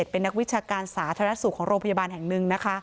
เป็นนักวิชาการสาธารณสุขของโรงพยาบาลแห่งหนึ่งนะคะ